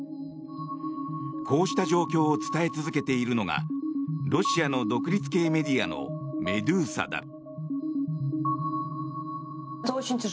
こうした状況を伝え続けているのがロシアの独立系メディアのメドゥーサだ。